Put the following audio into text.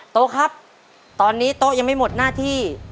โต๊ะครับตอนนี้โต๊ะยังไม่หมดหน้าที่